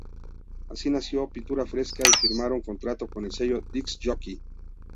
Así nació Pintura Fresca y firmaron contrato con el sello Disk Jockey.